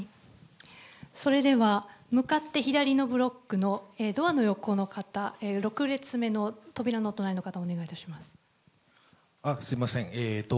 それでは、向かって左のブロックのドアの横の方、６列目の扉のお隣の方、お願いいたします。